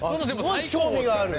すごい興味がある！